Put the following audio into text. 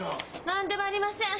何でもありません。